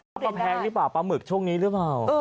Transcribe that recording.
เอามาแพงหรือเปล่าปลาหมึกช่วงนี้หรือเปล่า